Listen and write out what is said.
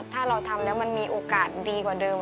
ถ้าเราทำแล้วมันมีโอกาสดีกว่าเดิม